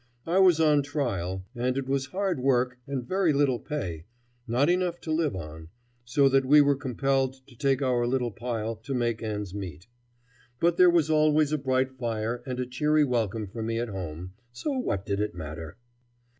I was on trial, and it was hard work and very little pay, not enough to live on, so that we were compelled to take to our little pile to make ends meet. But there was always a bright fire and a cheery welcome for me at home, so what did it matter?